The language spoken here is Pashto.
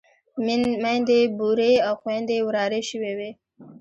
ميندې بورې او خويندې ورارې شوې وې.